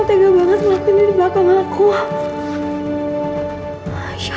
pak roman sama pak pondiman kerja lagi ya